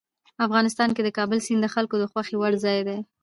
افغانستان کې د کابل سیند د خلکو د خوښې وړ ځای دی.